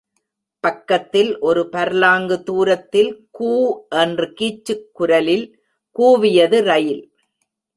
பக்கத்தில் ஒரு பர்லாங்கு தூரத்தில் கூ என்று கீச்சுக் குரலில் கூவியது ரயில்.